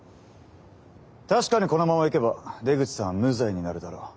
確かにこのままいけば出口さんは無罪になるだろう。